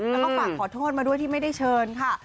แล้วก็ฝากขอโทษมาด้วยที่ไม่ได้เชิญค่ะ